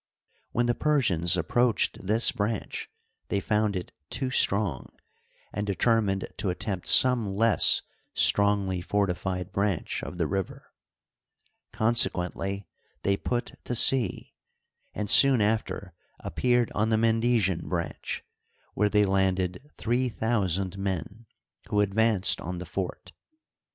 When the Persians approached this branch thev found it too strong, and determined to attempt some less strongly fortified branch of the river. Consequently they put to sea, and soon after appeared on the Mendesian branch, where they landed three thousand men, who advanced on the fort.